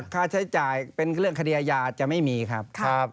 ค่าใช้จ่ายเป็นเรื่องคดีอาญาจะไม่มีครับ